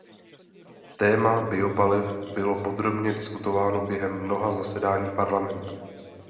Téma biopaliv bylo podrobně diskutováno během mnoha zasedání Parlamentu.